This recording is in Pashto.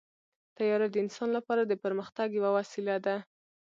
طیاره د انسان لپاره د پرمختګ یوه وسیله ده.